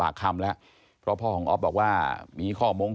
และก็จะรับความจริงของตัวเอง